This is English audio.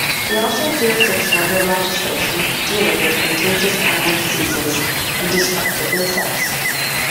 They also had jurisdiction under legislation dealing with contagious animal diseases and destructive insects.